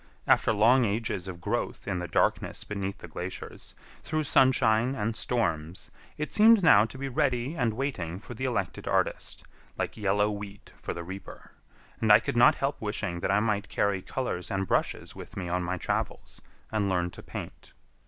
After long ages of growth in the darkness beneath the glaciers, through sunshine and storms, it seemed now to be ready and waiting for the elected artist, like yellow wheat for the reaper; and I could not help wishing that I might carry colors and brushes with me on my travels, and learn to paint.